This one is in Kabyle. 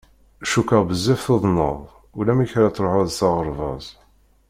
Cukkeɣ bezzaf tuḍneḍ, ulamek ara truḥeḍ s aɣerbaz.